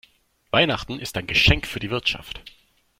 Weihnachten ist ein Geschenk für die Wirtschaft.